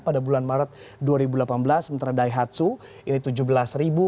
pada bulan maret dua ribu delapan belas sementara daihatsu ini tujuh belas ribu